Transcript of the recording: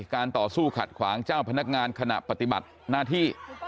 การต่อสู้ขัดขวางเจ้าพนักงานขณะปฏิบัติหน้าที่